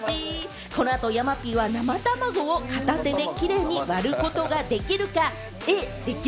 この後、山Ｐは生たまごを片手でキレイに割ることができるか。